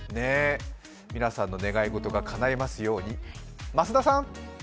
皆さんの願い事がかないますように。